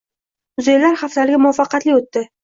Muzeylar haftaligi muvaffaqiyatli o‘tdi